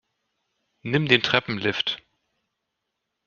Nimm den Treppenlift.